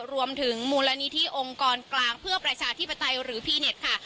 รวมถึงมูลนิธิองค์กรกลางเพื่อประชาธิปไตยหรือพีเน็ตค่ะ